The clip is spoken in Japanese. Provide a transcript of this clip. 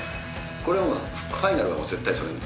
これはもうファイナルは絶対それ。